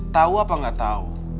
tau apa gak tau